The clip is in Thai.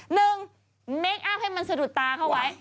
หนึ่งเมคอัพให้มันสะดุดตาเข้าไว้